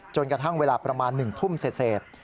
กระทั่งเวลาประมาณ๑ทุ่มเศษ